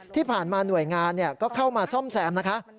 ที่ผ่านมาหน่วยงานก็เข้ามาซ่อมแซมนะคะ